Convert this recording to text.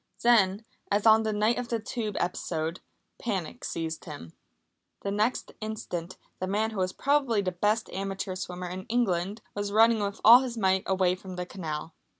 Then, as on the night of the Tube episode, panic seized him. The next instant the man who was probably the best amateur swimmer in England, was running with all his might away from the canal.